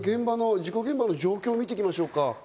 事故現場の状況を見てみましょうか。